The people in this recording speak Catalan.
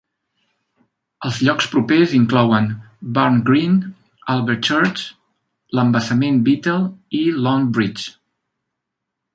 Els llocs propers inclouen: Barnt Green, Alvechurch, l'embassament Bittell i Longbridge.